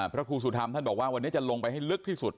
พระครูสุธรรมท่านบอกว่าวันนี้จะลงไปให้ลึกที่สุด